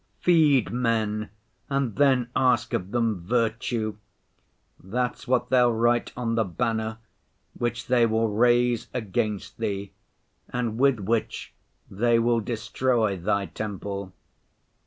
"Feed men, and then ask of them virtue!" that's what they'll write on the banner, which they will raise against Thee, and with which they will destroy Thy temple.